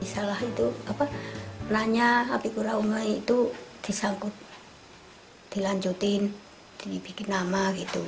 salah itu apa nanya api kurangnya itu disangkut dilanjutin dibikin nama gitu